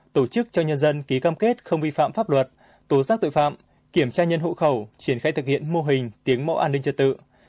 tổ chức cho nhân dân ký cam kết không vi phạm pháp luật tổ sát tội phạm kiểm tra nhân hữu khẩu triển khai thực hiện mô hình tiếng mẫu an ninh trả tự